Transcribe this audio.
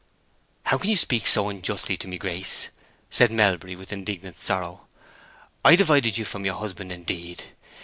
"How can you speak so unjustly to me, Grace?" said Melbury, with indignant sorrow. "I divide you from your husband, indeed!